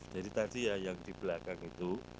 jadi tadi ya yang di belakang itu